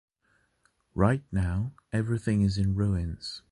Right now, everything is in ruins.